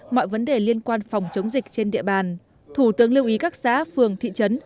mọi vấn đề liên quan phòng chống dịch trên địa bàn thủ tướng lưu ý các xã phường thị trấn